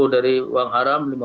lima puluh dari uang haram